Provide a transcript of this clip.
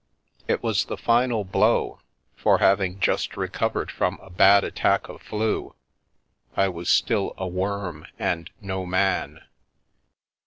It was the final blow, for having just recovered from a bad attack of " flu," I was still a worm and no man.